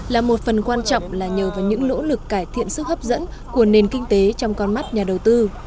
là một phần quan trọng là nhờ vào những nỗ lực cải thiện sức hấp dẫn của nền kinh tế trong con mắt nhà đầu tư